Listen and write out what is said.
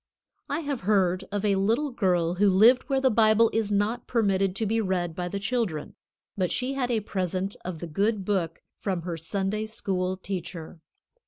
I have heard of a little girl who lived where the Bible is not permitted to be read by the children. But she had a present of the good Book from her Sunday School teacher.